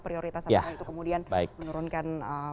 prioritas kemudian menurunkan